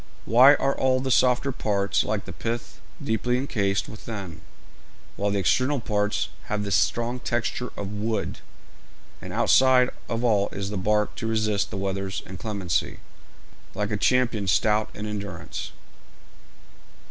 Why are all the softer parts like the pith deeply encased within, while the external parts have the strong texture of wood, and outside of all is the bark to resist the weather's inclemency, like a champion stout in endurance?